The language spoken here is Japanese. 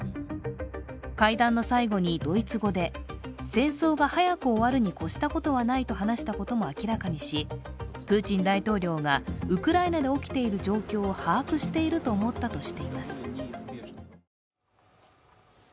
会談の最後にドイツ語で戦争が早く終わるにこしたことはないと話したことも明らかにし、プーチン大統領がウクライナで起きている状況を把握していると思ったとしています。